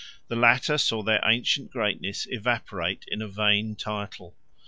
The latter saw their ancient greatness evaporate in a vain title.